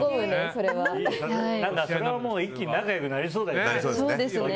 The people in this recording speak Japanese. それは一気に仲良くなりそうだね。